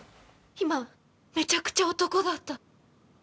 今めちゃくちゃ男だった！